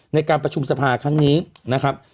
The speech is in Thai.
ในการประชุมสภาครั้งนี้นะครับ